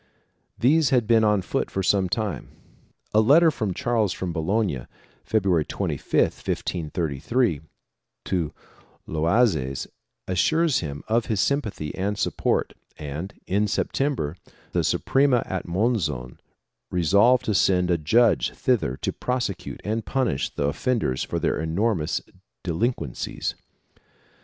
These had been on foot for some time. A letter of Charles from Bologna, February 25, 1533, to Loazes assures him of his sympathy and support and, in September, the Suprema at Monzon resolved to send a judge thither to prosecute and punish the offenders for their enormous delin quencies.